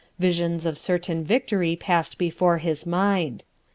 Visions of certain victory passed before his mind.